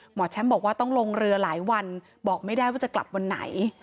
หมอแชมป์บอกว่าต้องลงเรือหลายวันบอกไม่ได้ว่าจะกลับวันไหน